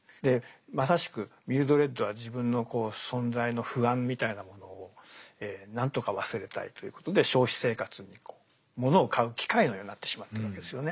まさしくミルドレッドは自分の存在の不安みたいなものを何とか忘れたいということで消費生活にこうモノを買う機械のようになってしまってるわけですよね。